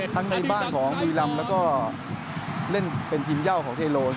ทั้งในบ้านของดุยรัมแล้วก็เล่นเป็นทีมเยาว์ของเทโร